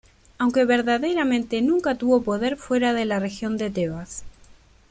Aunque verdaderamente nunca tuvo poder fuera de la región de Tebas.